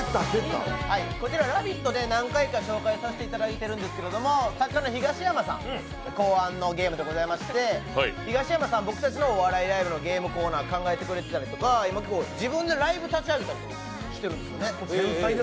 こちら「ラヴィット！」で何回か紹介させていただいているんですけど作家のヒガシヤマさん考案のゲームでございまして、ヒガシヤマさん僕たちのお笑いコーナーのゲーム考えてくれたりとか自分でライブ立ち上げたりとかしているんですよね。